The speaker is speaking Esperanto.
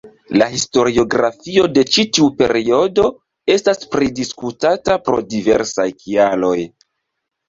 La historiografio de ĉi tiu periodo estas pridisputata pro diversaj kialoj.